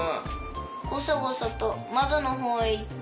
ごそごそとまどのほうへいって。